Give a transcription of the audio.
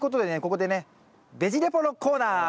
ここでね「ベジ・レポ」のコーナー！